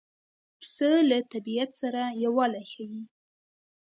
پسه له طبیعت سره یووالی ښيي.